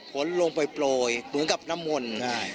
ลงไปโปรยเหมือนกับน้ำมนต์